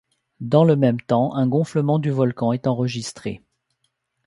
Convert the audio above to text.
Dans le même temps, un gonflement du volcan est enregistré.